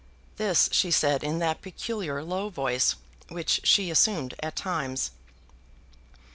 This she said in that peculiar low voice which she assumed at times.